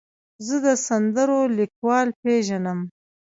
زه د سندرو لیکوال پیژنم.